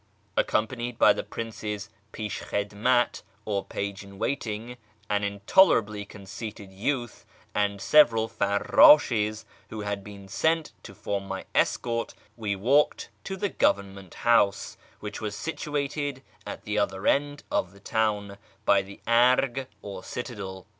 Accompanied by the Prince's 'pislililvidmat, or page in waiting (an intolerably conceited youth), and several farrdshcs, who had been sent to form my escort, we walked to the Government House, which was situated at the other end of the town, by the Arg or citadel.